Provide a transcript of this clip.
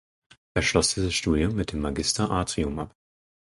Er schloss dieses Studium mit dem Magister Artium ab.